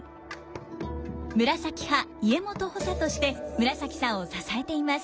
紫派家元補佐として紫さんを支えています。